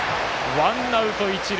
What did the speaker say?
ワンアウト、一塁。